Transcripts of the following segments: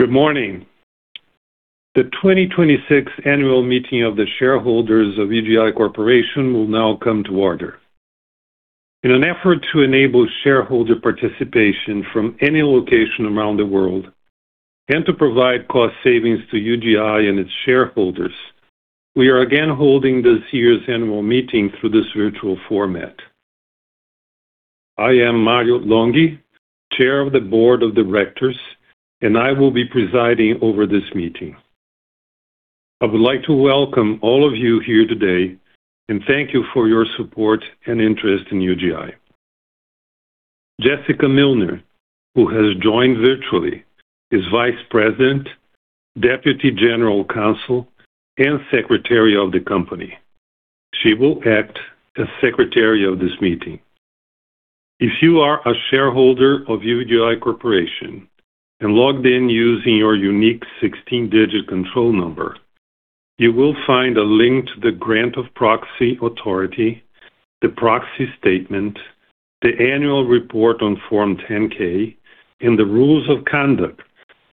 Good morning! The 2026 annual meeting of the shareholders of UGI Corporation will now come to order. In an effort to enable shareholder participation from any location around the world, and to provide cost savings to UGI and its shareholders, we are again holding this year's annual meeting through this virtual format. I am Mario Longhi, Chair of the Board of Directors, and I will be presiding over this meeting. I would like to welcome all of you here today, and thank you for your support and interest in UGI. Jessica Milner, who has joined virtually, is Vice President, Deputy General Counsel, and Secretary of the company. She will act as secretary of this meeting. If you are a shareholder of UGI Corporation and logged in using your unique 16-digit control number, you will find a link to the grant of proxy authority, the proxy statement, the annual report on Form 10-K, and the rules of conduct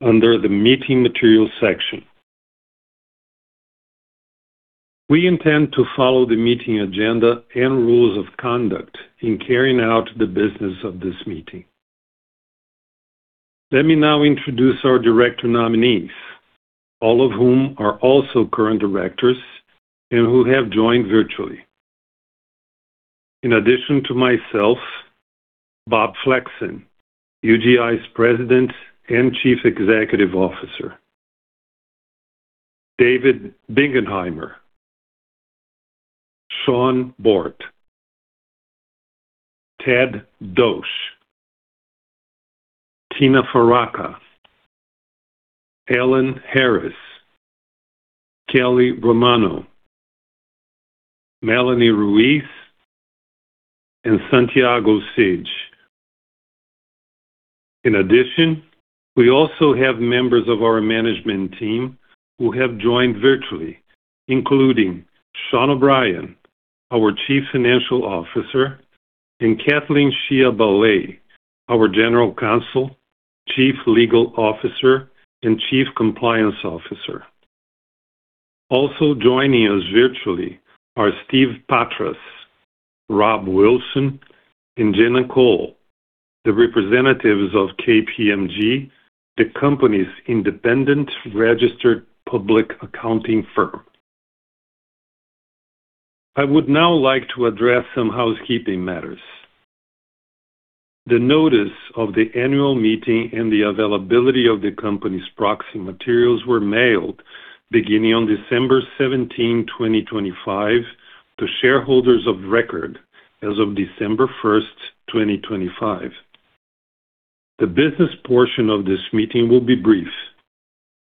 under the Meeting Materials section. We intend to follow the meeting agenda and rules of conduct in carrying out the business of this meeting. Let me now introduce our director nominees, all of whom are also current directors and who have joined virtually. In addition to myself, Bob Flexon, UGI's President and Chief Executive Officer. David Bingenheimer, Shawn Bort, Ted Dosch, Tina Faraca, Alan Harris, Kelly Romano, Melanie Kirkwood Ruiz, and Santiago Seage. In addition, we also have members of our management team who have joined virtually, including Sean O'Brien, our Chief Financial Officer, and Kathleen Shea Ballay, our General Counsel, Chief Legal Officer, and Chief Compliance Officer. Also joining us virtually are Steve Petras, Rob Wilson, and Jenna Cole, the representatives of KPMG, the company's independent registered public accounting firm. I would now like to address some housekeeping matters. The notice of the annual meeting and the availability of the company's proxy materials were mailed beginning on December 17, 2025, to shareholders of record as of December 1, 2025. The business portion of this meeting will be brief.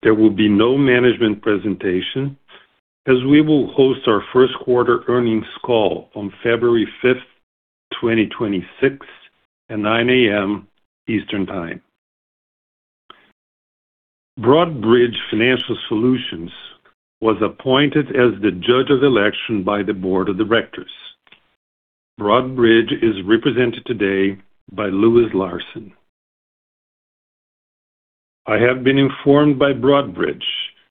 There will be no management presentation as we will host our first quarter earnings call on February 5, 2026, at 9 A.M. Eastern Time. Broadridge Financial Solutions was appointed as the judge of election by the board of directors. Broadridge is represented today by Lewis Larson. I have been informed by Broadridge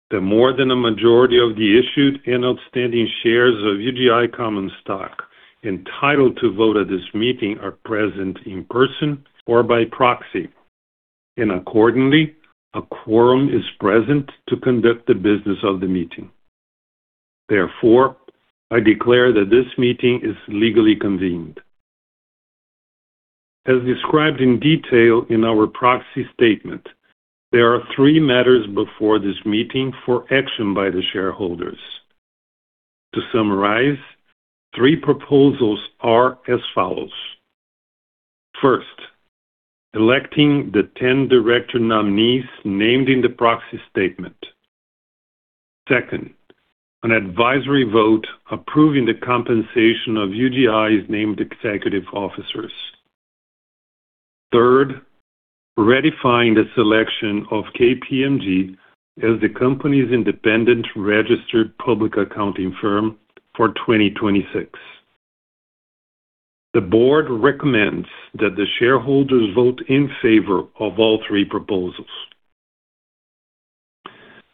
that more than a majority of the issued and outstanding shares of UGI common stock entitled to vote at this meeting are present in person or by proxy, and accordingly, a quorum is present to conduct the business of the meeting. Therefore, I declare that this meeting is legally convened. As described in detail in our proxy statement, there are three matters before this meeting for action by the shareholders. To summarize, three proposals are as follows: First, electing the 10 director nominees named in the proxy statement. Second, an advisory vote approving the compensation of UGI's named executive officers. Third, ratifying the selection of KPMG as the company's independent registered public accounting firm for 2026. The board recommends that the shareholders vote in favor of all three proposals.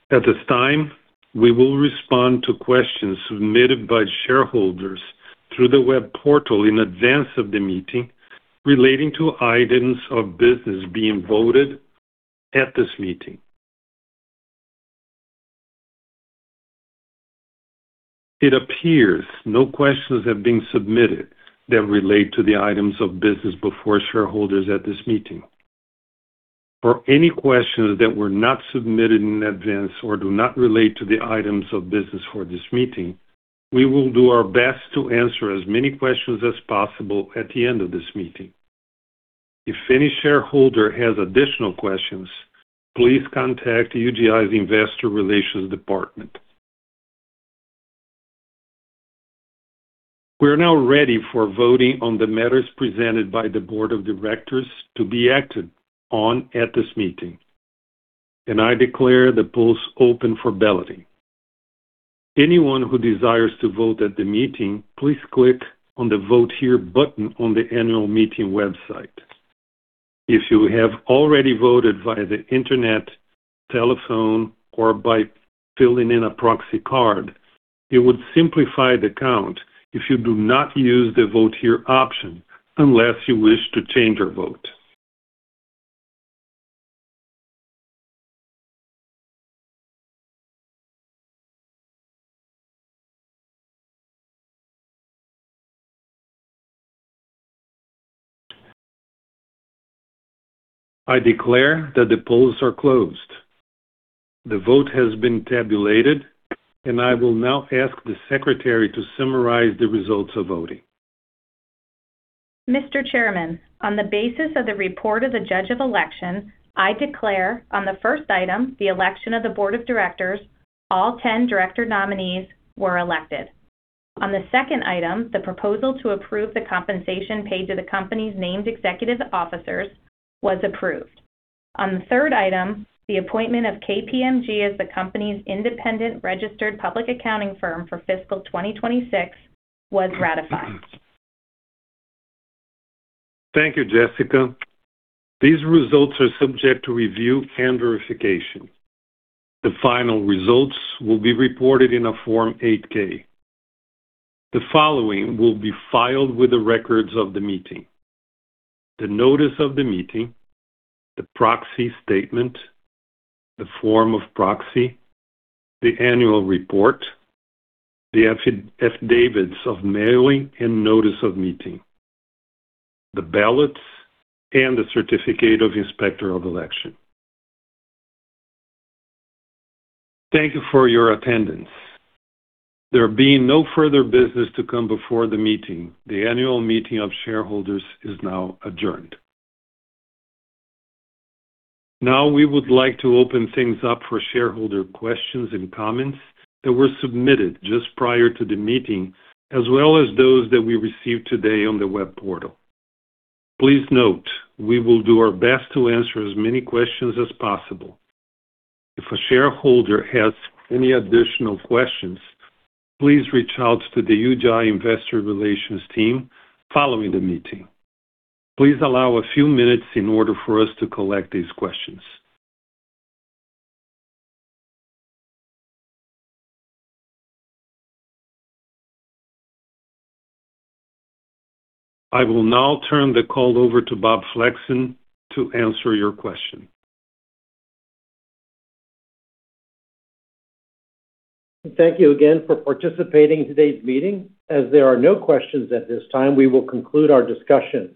At this time, we will respond to questions submitted by shareholders through the web portal in advance of the meeting, relating to items of business being voted at this meeting. It appears no questions have been submitted that relate to the items of business before shareholders at this meeting. For any questions that were not submitted in advance or do not relate to the items of business for this meeting, we will do our best to answer as many questions as possible at the end of this meeting. If any shareholder has additional questions, please contact UGI's Investor Relations Department. We are now ready for voting on the matters presented by the board of directors to be acted on at this meeting, and I declare the polls open for balloting. Anyone who desires to vote at the meeting, please click on the Vote Here button on the annual meeting website. If you have already voted via the internet, telephone, or by filling in a proxy card, it would simplify the count if you do not use the Vote Here option, unless you wish to change your vote. I declare that the polls are closed. The vote has been tabulated, and I will now ask the secretary to summarize the results of voting. Mr. Chairman, on the basis of the report of the Judge of Election, I declare on the first item, the election of the Board of Directors, all 10 director nominees were elected. On the second item, the proposal to approve the compensation paid to the company's Named Executive Officers was approved. On the third item, the appointment of KPMG as the company's independent registered public accounting firm for fiscal 2026 was ratified. Thank you, Jessica. These results are subject to review and verification. The final results will be reported in a Form 8-K. The following will be filed with the records of the meeting: the notice of the meeting, the proxy statement, the form of proxy, the annual report, the affidavits of mailing and notice of meeting, the ballots, and the certificate of inspector of election. Thank you for your attendance. There being no further business to come before the meeting, the annual meeting of shareholders is now adjourned. Now we would like to open things up for shareholder questions and comments that were submitted just prior to the meeting, as well as those that we received today on the web portal. Please note, we will do our best to answer as many questions as possible. If a shareholder has any additional questions, please reach out to the UGI Investor Relations team following the meeting. Please allow a few minutes in order for us to collect these questions. I will now turn the call over to Bob Flexon to answer your question. Thank you again for participating in today's meeting. As there are no questions at this time, we will conclude our discussion.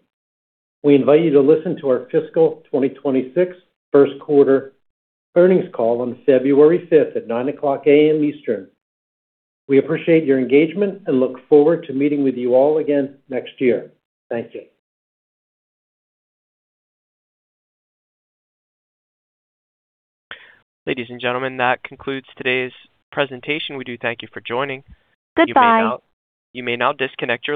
We invite you to listen to our fiscal 2026 first quarter earnings call on February 5 at 9:00 A.M. Eastern. We appreciate your engagement and look forward to meeting with you all again next year. Thank you. Ladies and gentlemen, that concludes today's presentation. We do thank you for joining. Goodbye. You may now, you may now, disconnect your lines.